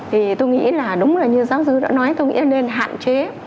thì tôi nghĩ là đúng như giáo sư đã nói tôi nghĩ là nên hạn chế